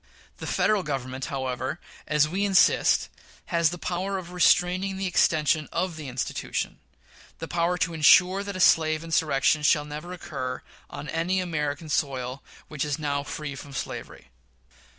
The Federal Government, however, as we insist, has the power of restraining the extension of the institution the power to insure that a slave insurrection shall never occur on any American soil which is now free from slavery.